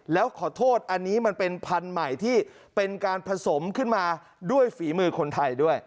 แล้วขอโทษอันนี้มันเป็นพันธุ์ใหม่ที่เป็นการผสมขึ้นมาด้วยฝีมือคนไทยด้วย